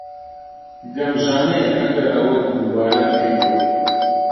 گەمژانەیە ئەگەر ئەوە دووبارە بکەیتەوە.